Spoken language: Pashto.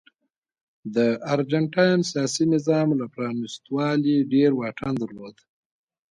د ارجنټاین سیاسي نظام له پرانیستوالي ډېر واټن درلود.